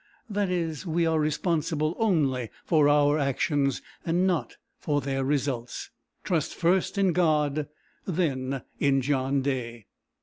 That is, we are responsible only for our actions, not for their results. Trust first in God, then in John Day."